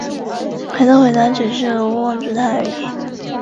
凯特回答只是望住他而已。